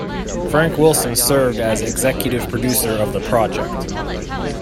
Frank Wilson served as executive producer of the project.